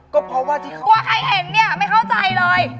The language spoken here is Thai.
กลัวใครเห็นแกไม่เข้าใจเลย